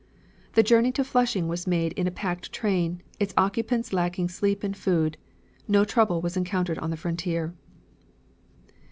"The journey to Flushing was made in a packed train, its occupants lacking sleep and food. No trouble was encountered on the frontier."